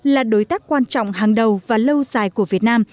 là đối tác quan trọng hàng đầu và lâu dài của việt nam